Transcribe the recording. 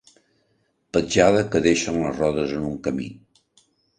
Petjada que deixen les rodes en un camí.